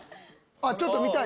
ちょっと見たい？